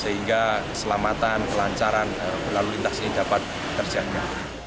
sehingga keselamatan kelancaran berlalu lintas ini dapat terjadinya